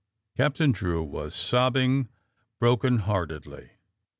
Captain Drew was sobbing broken heartedly.